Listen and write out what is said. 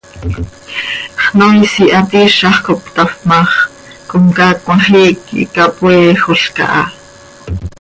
Xnoois ihaat iizax cop cötafp ma x, comcaac cmajiic quih capoeejolca ha.